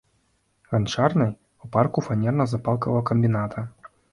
Ганчарнай, у парку фанерна-запалкавага камбіната.